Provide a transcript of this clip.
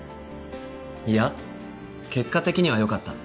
いや結果的にはよかった。